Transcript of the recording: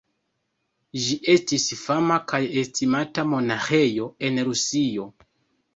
Ĝi estis fama kaj estimata monaĥejo en Rusio.